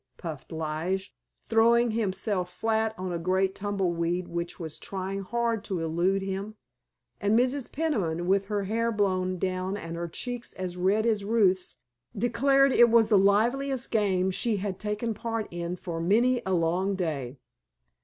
puffed Lige, throwing himself flat on a great tumble weed which was trying hard to elude him. And Mrs. Peniman, with her hair blown down and her cheeks as red as Ruth's, declared it was the liveliest game she had taken part in for many a long day.